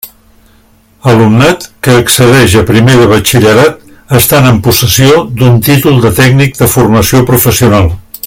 Alumnat que accedeix a primer de Batxillerat estant en possessió d'un títol de Tècnic de Formació Professional.